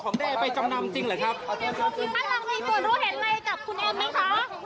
ของได้ไปจำนำจริงหรือครับมีผลรู้เห็นในกับคุณเอ๋มไหมคะ